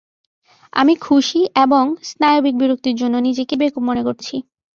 আমি খুশী এবং স্নায়বিক বিরক্তির জন্য নিজেকেই বেকুব মনে করছি।